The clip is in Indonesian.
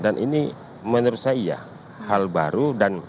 dan ini menurut saya hal baru